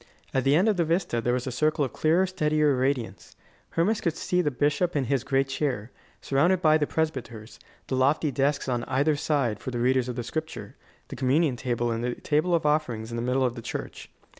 At the end of the vista there was a circle of clearer, steadier radiance. Hermas could see the bishop in his great chair, surrounded by the presbyters, the lofty desks on either side for the readers of the Scripture, the communion table and the table of offerings in the middle of the church.